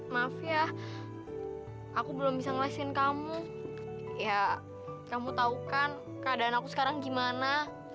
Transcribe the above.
maaf ya aku belum bisa ngelesin kamu ya kamu taukan keadaan aku sekarang gimana